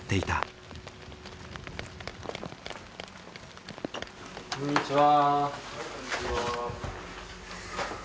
はいこんにちは。